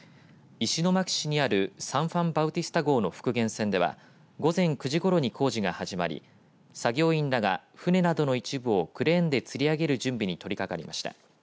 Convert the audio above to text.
石巻市にあるサン・ファン・バウティスタ号の復元船では午前９時ごろに、工事が始まり作業員らが、船などの一部をクレーンで吊り上げる準備に取り掛かりました。